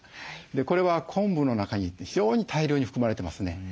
これは昆布の中に非常に大量に含まれてますね。